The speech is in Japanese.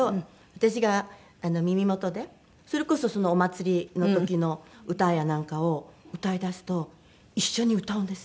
私が耳元でそれこそお祭りの時の歌やなんかを歌いだすと一緒に歌うんです。